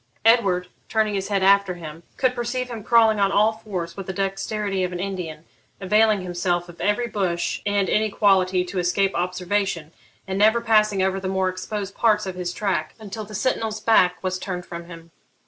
Edward, turning his head after him, could perceive him crawling on all fours with the dexterity of an Indian, availing himself of every bush and inequality to escape observation, and never passing over the more exposed parts of his track until the sentinel's back was turned from him.